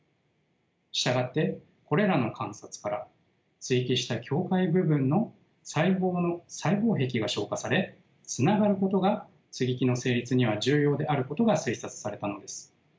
従ってこれらの観察から接ぎ木した境界部分の細胞の細胞壁が消化されつながることが接ぎ木の成立には重要であることが推察されたのです。